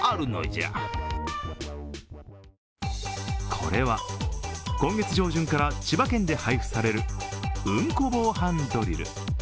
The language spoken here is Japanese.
これは今月上旬から千葉県で配布される「うんこ防犯ドリル」。